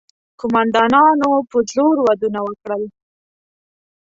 قوماندانانو په زور ودونه وکړل.